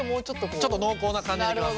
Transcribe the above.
ちょっと濃厚な感じでできます。